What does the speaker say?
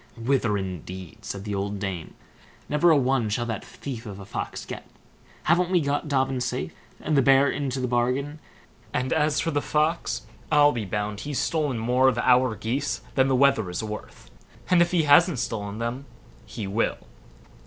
"Whither, indeed", said the old dame; "never a one shall that thief of a Fox get. Haven't we got Dobbin safe, and the bear into the bargain; and as for the Fox, I'll be bound he's stolen more of our geese than the wether is worth; and even if he hasn't stolen them, he will.